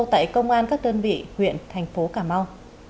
tại công an các đơn vị huyện thành phố cà mau